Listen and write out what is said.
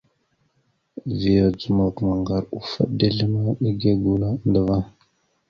Vya dzomok maŋgar offoɗ dezl ma igégula andəva.